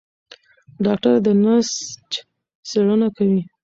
ډاکټره د نسج څېړنه کوي.